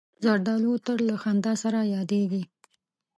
زردالو تل له خندا سره یادیږي.